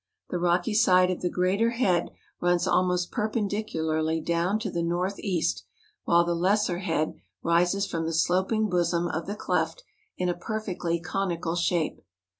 The rocky side of the greater head runs almost per¬ pendicularly down to the north east, while the lesser head rises from the sloping bosom of the cleft in a perfectly conical shape.